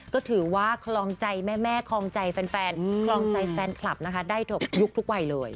ก็ถือว่าคลองใจแม่คลองใจแฟนครองใจแฟนคลับนะคะได้ทุกยุคทุกวัยเลย